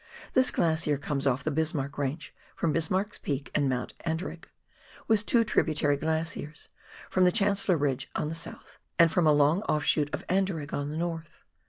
This glacier comes off the Bismarck Range, from Bismarck's Peak and Mount Anderegg, with two tributary glaciers, from the Chancellor Ridge on the south and from a long offsho t of Anderegg on the north.